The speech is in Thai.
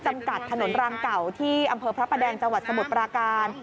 กัดถนนรังเก่าที่อำเภอพระประแดงจังหวัดสมุทรปราการ